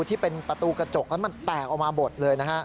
ที่เป็นประตูกระจกแล้วมันแตกออกมาหมดเลยนะฮะ